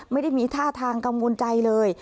ไม่ได้มีท่าทางกังวลใจเลย